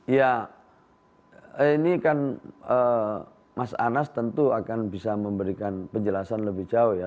ya ini kan mas anas tentu akan bisa memberikan penjelasan lebih jauh ya